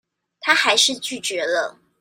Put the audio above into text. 她還是拒絕了